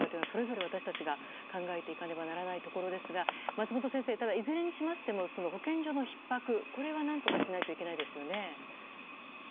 それぞれ私たちが考えていかなければならないところですが松本先生、いずれにしましても保健所のひっ迫は何とかしないといけないですよね。